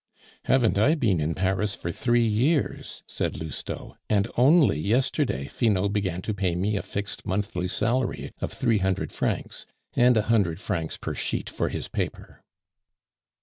"Haven't I been in Paris for three years?" said Lousteau, "and only yesterday Finot began to pay me a fixed monthly salary of three hundred francs, and a hundred francs per sheet for his paper."